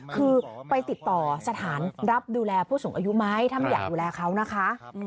คือไปติดต่อสถานรับดูแลผู้สูงอายุไหมถ้าไม่อยากดูแลเขานะคะ